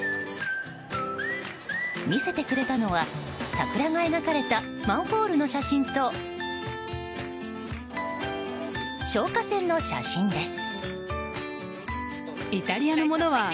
見せてくれたのは桜が描かれたマンホールの写真と消火栓の写真です。